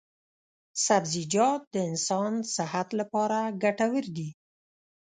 سبزیجات د انسان صحت لپاره ګټور دي.